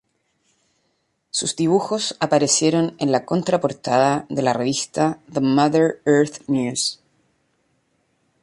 Sus dibujos aparecieron en la contraportada de la revista "The Mother Earth News".